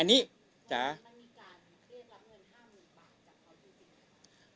อันนี้จ้ะมันมีการเรียกรับเงินห้าหมื่นบาทจากเขาจริงจริง